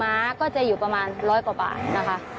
ในความเงินก็จะอยู่ประมาณ๑๐๐กว่าบาทนะคะ